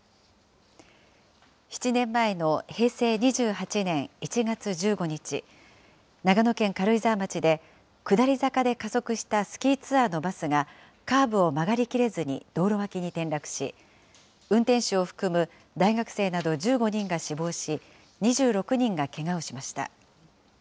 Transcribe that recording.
７年前の平成２８年１月１５日、長野県軽井沢町で、下り坂で加速したスキーツアーのバスが、カーブを曲がりきれずに道路脇に転落し、運転手を含む大学生など１５人が死亡し、２６人がけがをしました。